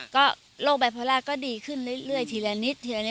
ก็โรคไบโพล่าก็ดีขึ้นเรื่อยทีละนิดทีละนิด